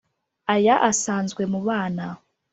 aya asanzwe mu bana